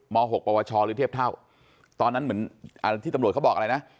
๖ปวชหรือเทียบเท่าตอนนั้นเหมือนที่ตำรวจเขาบอกอะไรนะ